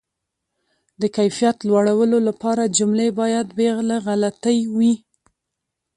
د کیفیت لوړولو لپاره، جملې باید بې له غلطۍ وي.